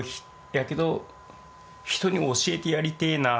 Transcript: やけど人に教えてやりてえなと思って。